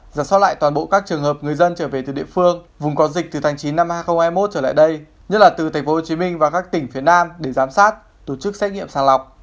giả soát lại toàn bộ các trường hợp người dân trở về từ địa phương vùng có dịch từ tháng chín năm hai nghìn hai mươi một trở lại đây nhất là từ tp hcm và các tỉnh phía nam để giám sát tổ chức xét nghiệm sàng lọc